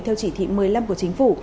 theo chỉ thị một mươi năm của chính phủ